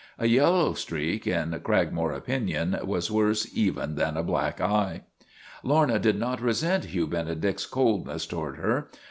A yellow streak, in Cragmore opinion, was worse even than a black eye. Lorna did not resent Hugh Benedict's coldness to ward her.